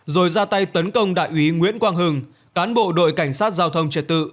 rồi ra tay tấn công đại úy nguyễn quang hưng cán bộ đội cảnh sát giao thông trật tự